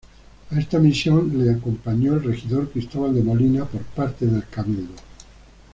A esta misión le acompañó el regidor Cristóbal de Molina, por parte del cabildo.